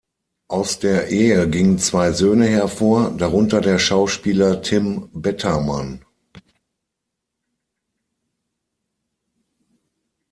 Aus der Ehe gingen zwei Söhne hervor, darunter der Schauspieler Tim Bettermann.